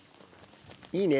いいね。